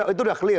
itu sudah clear